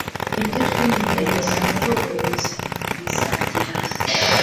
Ibyo twimenyereza muri ubu buzima bizagira